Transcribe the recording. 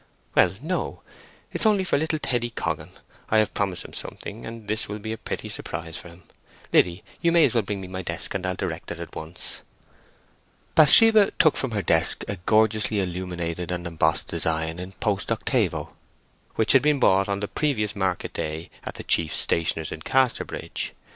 "Well, no. It is only for little Teddy Coggan. I have promised him something, and this will be a pretty surprise for him. Liddy, you may as well bring me my desk and I'll direct it at once." Bathsheba took from her desk a gorgeously illuminated and embossed design in post octavo, which had been bought on the previous market day at the chief stationer's in Casterbridge.